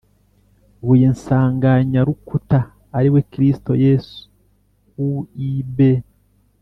buye nsanganyarukuta ari we kristo yesu uib